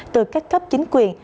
từ các cấp chính quyền